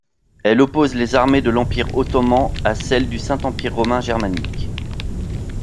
Elle oppose les armées de l'Empire ottoman à celles du Saint-Empire romain germanique.